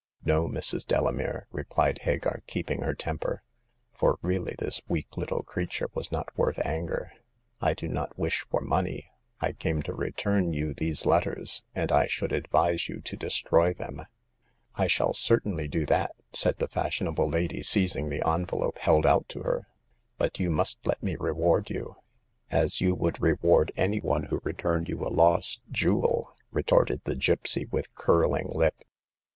" No, Mrs. Delamere," replied Hagar, keep ing her temper — for really this weak little creature was not worth anger —" I do not wish for money. I came to return you these letters, and I should advise you to destroy them." ^*. Vv*.*.*, •.^.•^".i •^*^'* 244 Hagar of the Pawn Shop. " I shall certainly do that !" said the fashion able lady, seizing the envelope held out to her ;" but you must let me reward you." " As you would reward any one who returned you a lost jewel !" retorted the gypsy, with curling lip.